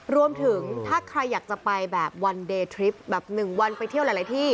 รวมถึงถ้าใครอยากจะไปแบบวันเดย์ทริปแบบ๑วันไปเที่ยวหลายที่